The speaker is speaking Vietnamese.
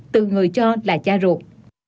từ người cho là cha ruột